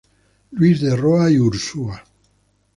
Luis de Roa y Ursúa.